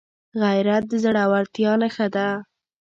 غیرت د زړورتیا نښه ده